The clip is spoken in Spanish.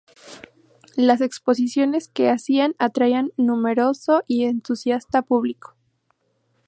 Las exposiciones que hacía atraían numeroso y entusiasta público.